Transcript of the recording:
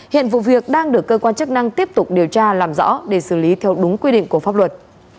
hiện vụ việc đang được cơ quan chức năng tiếp tục điều tra làm rõ để xử lý theo đúng quy định của pháp luật